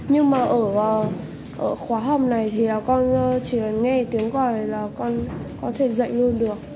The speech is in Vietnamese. nhưng mà ở khóa học này thì con chỉ nghe tiếng gọi là con có thể dạy luôn được